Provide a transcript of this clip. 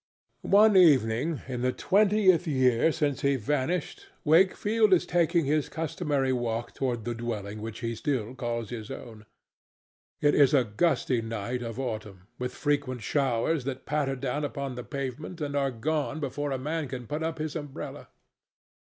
One evening, in the twentieth year since he vanished, Wakefield is taking his customary walk toward the dwelling which he still calls his own. It is a gusty night of autumn, with frequent showers that patter down upon the pavement and are gone before a man can put up his umbrella.